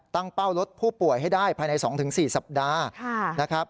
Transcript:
ตั้งเป้ารถผู้ป่วยให้ได้ภายใน๒๔สัปดาห์